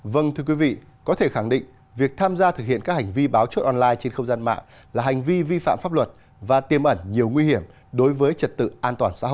vâng thưa quý vị có thể khẳng định việc tham gia thực hiện các hành vi báo chốt online trên không gian mạng là hành vi vi phạm pháp luật và tiêm ẩn nhiều nguy hiểm đối với trật tự an toàn xã hội